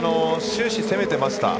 終始、攻めてました。